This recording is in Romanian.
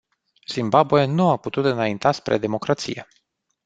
Zimbabwe nu a putut înainta spre democrație.